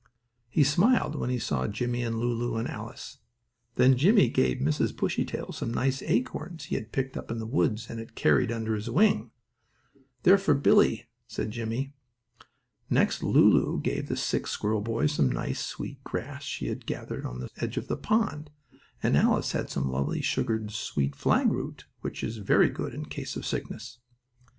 He smiled when he saw Jimmie and Lulu and Alice. Then Jimmie gave Mrs. Bushytail some nice acorns he had picked up in the woods and had carried under his wing. "They are for Billie," said Jimmie. Next Lulu gave the sick squirrel boy some nice, sweet grass she had gathered on the edge of the pond, and Alice had some lovely sugared sweet flag root, which is very good in case of sickness.